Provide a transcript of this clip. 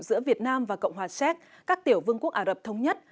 giữa việt nam và cộng hòa séc các tiểu vương quốc ả rập thống nhất